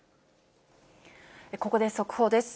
ここで速報です。